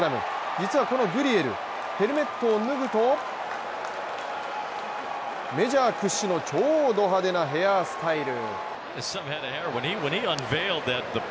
実はこのグリエル、ヘルメットを脱ぐとメジャー屈指の超ド派手なヘアスタイル。